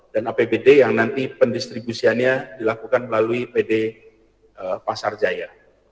dan apbd yang nanti pendistribusiannya dilakukan melalui pd pasar jaya